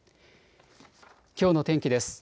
きょうの天気です。